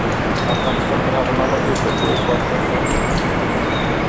افغانستان تر هغو نه ابادیږي، ترڅو سوالګر له سړکونو ټول نشي.